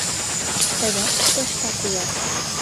Тыят тыштак улат?..